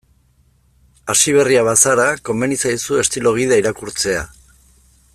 Hasiberria bazara, komeni zaizu estilo gida irakurtzea.